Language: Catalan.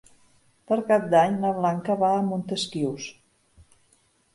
Per Cap d'Any na Blanca va a Montesquiu.